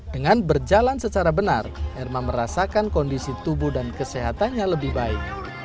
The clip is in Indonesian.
dengan berjalan secara benar erma merasakan kondisi tubuh dan kesehatannya lebih baik